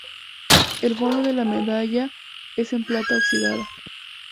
El fondo de la medalla es en plata oxidada.